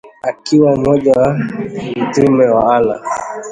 akiwa mmoja wa mitume wa Allah